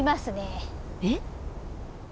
えっ？